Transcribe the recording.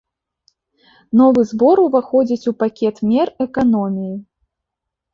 Новы збор ўваходзіць у пакет мер эканоміі.